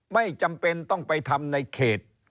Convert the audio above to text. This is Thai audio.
ไม่จำเป็นต้องไปทำในเขต